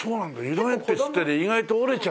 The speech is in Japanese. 色鉛筆ってね意外と折れちゃうのよ。